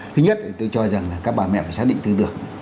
thứ nhất tôi cho rằng là các bà mẹ phải xác định tư tưởng